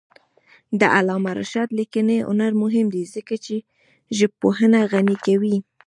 د علامه رشاد لیکنی هنر مهم دی ځکه چې ژبپوهنه غني کوي.